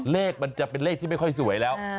เลขมันจะเป็นเลขที่ไม่ค่อยสวยแล้ว